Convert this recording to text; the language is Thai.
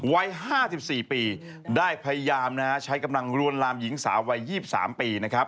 วัย๕๔ปีได้พยายามนะฮะใช้กำลังรวนลามหญิงสาววัย๒๓ปีนะครับ